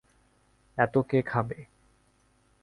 এত কে খাবে?